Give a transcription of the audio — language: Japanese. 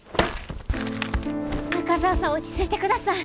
中澤さん落ち着いてください。